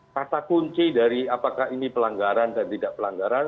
kata kunci dari apakah ini pelanggaran dan tidak pelanggaran